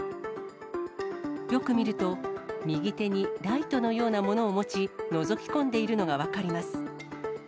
よく見ると、右手にライトのようなものを持ち、のぞき込んでいるのが分かります。